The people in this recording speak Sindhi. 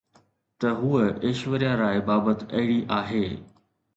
ته هوءَ ايشوريا راءِ بابت اهڙي آهي